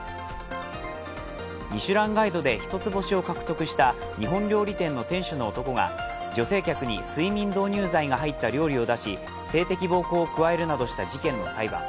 ミシュランガイドで一つ星を獲得した日本料理店の店主の男が女性客に睡眠導入剤が入った料理を出し性的暴行を加えるなどした事件の裁判。